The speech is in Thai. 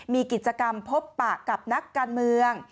มีกิจกรรมพบปะกับนักการเมือง